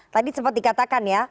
tadi sempat dikatakan ya